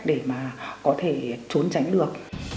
để mà có thể trốn tránh được